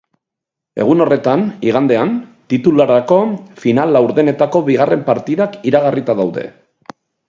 Egun horretan, igandean, titulurako final-laurdenetako bigarren partidak iragarrita daude.